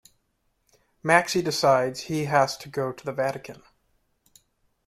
Maxi decides he has to go to the Vatican.